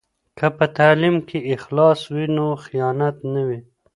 که په تعلیم کې اخلاص وي نو خیانت نه وي.